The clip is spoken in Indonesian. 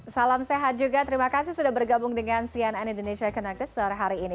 salam sehat juga terima kasih sudah bergabung dengan cnn indonesia connected sore hari ini